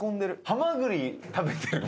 ハマグリ食べてる。